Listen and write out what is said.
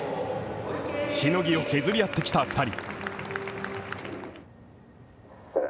しのぎを削り合ってきた２人。